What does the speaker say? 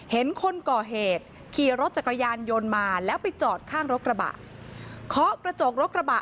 เห็นคนก่อเหตุขี่รถจักรยานยนต์มาแล้วไปจอดข้างรถกระบะเคาะกระจกรถกระบะ